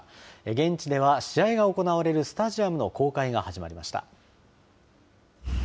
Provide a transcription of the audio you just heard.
現地では試合が行われるスタジアムの公開が始まりました。